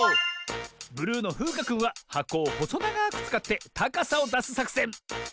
ブルーのふうかくんははこをほそながくつかってたかさをだすさくせん。